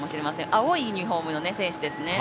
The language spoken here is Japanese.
青いユニフォームの選手ですね。